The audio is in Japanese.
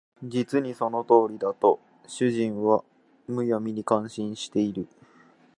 実にその通りだ」と主人は無闇に感心している